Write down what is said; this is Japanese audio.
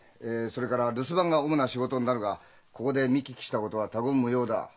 それから留守番が主な仕事になるがここで見聞きしたことは他言無用だ。